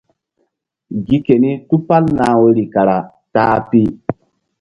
Gi keni tupal nah woyri kara ta-a pi.